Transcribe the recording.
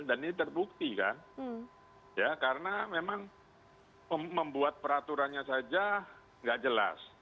dan ini terbukti kan karena memang membuat peraturannya saja tidak jelas